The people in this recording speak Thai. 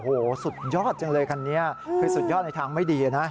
โอ้โหสุดยอดจังเลยคันนี้คือสุดยอดในทางไม่ดีนะ